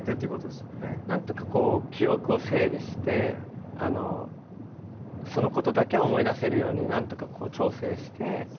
なんとかこう記憶を整理してそのことだけを思い出せるようになんとかこう調整して。